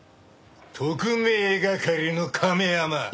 特命係の亀山。